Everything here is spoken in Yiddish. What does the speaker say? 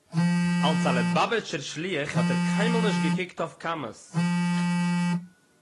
אַלס אַ ליובאַוויטשער שליח האָט ער קיינמאָל נישט געקוקט אויף כמות